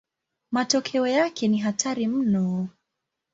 Matokeo yake ni hatari mno.